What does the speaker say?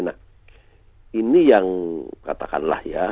nah ini yang katakanlah ya